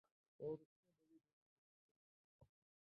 اور اس سے بڑی بے بسی اور کیا ہو سکتی ہے